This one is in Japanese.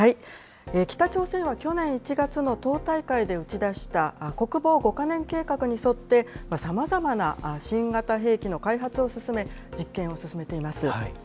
北朝鮮は去年１月の党大会で打ち出した、国防５か年計画に沿って、さまざまな新型兵器の開発を進め、実験を進めています。